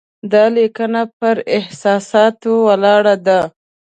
دا لیکنه پر احساساتو ولاړه ده.